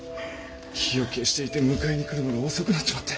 火を消していて迎えに来るのが遅くなっちまって。